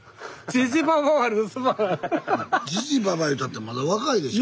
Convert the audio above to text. ジジババ言うたってまだ若いでしょ。